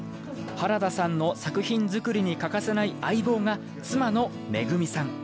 原田さんの作品作りに欠かせない相棒が妻のめぐみさん。